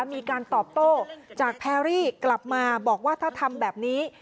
มีการตอบโต้จากแพรรี่กลับมาบอกว่าถ้าทำแบบนี้